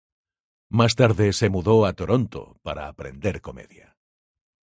Más tarde se mudó a Toronto para aprender comedia.